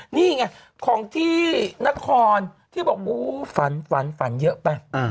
นี่ไงของที่นครที่บอกฝันฝันเยอะไป